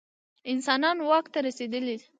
انسانان واک ته رسېدلي.